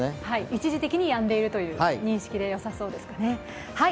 一時的にやんでいるという認識でよさそうですかね。